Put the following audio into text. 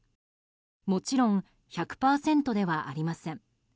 もちろん１００％ではありません。